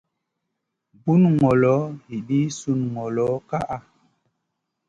Bun ngolo edii sun ngolo ka ʼa.